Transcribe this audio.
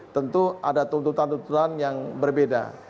tentu ada tuntutan tuntutan yang berbeda